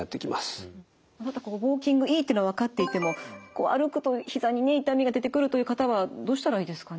ウォーキングいいっていうのは分かっていても歩くとひざにね痛みが出てくるという方はどうしたらいいですかね。